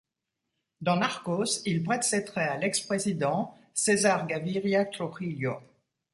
Dans Narcos, il prête ses traits à l'ex-Président César Gaviria Trujillo.